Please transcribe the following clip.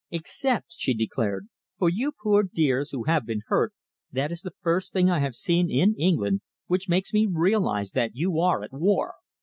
"Except," she declared, "for you poor dears who have been hurt, that is the first thing I have seen in England which makes me realise that you are at war."